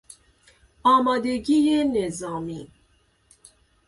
آمادگی نظامی